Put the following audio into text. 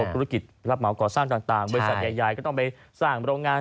ธุรกิจรับเหมาก่อสร้างต่างบริษัทใหญ่ก็ต้องไปสร้างโรงงาน